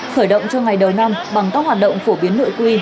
khởi động cho ngày đầu năm bằng các hoạt động phổ biến nội quy